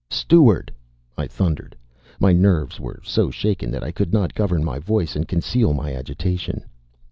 "Steward," I thundered. My nerves were so shaken that I could not govern my voice and conceal my agitation.